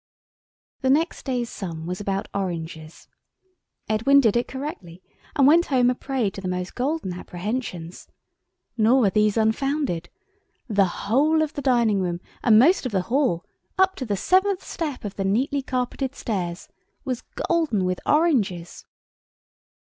The next day's sum was about oranges. Edwin did it correctly, and went home a prey to the most golden apprehensions. Nor were these unfounded. The whole of the dining room and most of the hall—up to the seventh step of the neatly carpeted stairs, was golden with oranges.